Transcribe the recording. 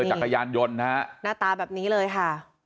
จักรยานยนต์นะฮะหน้าตาแบบนี้เลยค่ะ